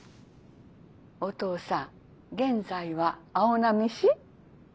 おとうさん現在は青波市？」。